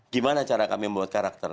gimana cara kami membuat karakter